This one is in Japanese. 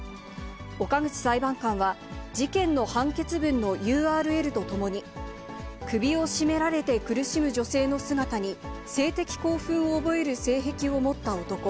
岡口裁判官は、事件の判決文のＵＲＬとともに、首を絞められて苦しむ女性の姿に性的興奮を覚える性癖を持った男。